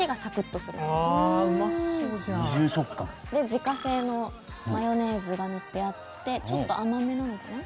自家製のマヨネーズが塗ってあってちょっと甘めなのかな？